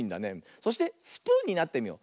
そしてスプーンになってみよう。